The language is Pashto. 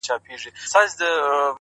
هر منزل د نوې زده کړې سرچینه ده’